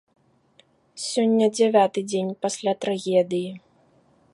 Сёння дзявяты дзень пасля трагедыі.